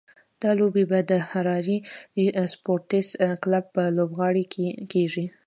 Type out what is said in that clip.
دا لوبې به د هراري سپورټس کلب په لوبغالي کې کېږي.